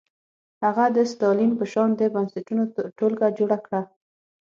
هغه د ستالین په شان د بنسټونو ټولګه جوړه کړه.